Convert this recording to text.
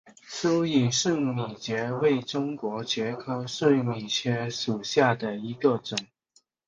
疏羽碎米蕨为中国蕨科碎米蕨属下的一个种。